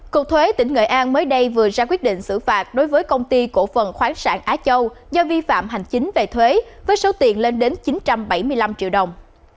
cục thuế tỉnh nghệ an mới đây vừa ra quyết định xử phạt đối với công ty cổ phần khoáng sản á châu do vi phạm hành chính về thuế với số tiền lên đến chín trăm bảy mươi năm triệu đồng